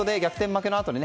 負けのあとに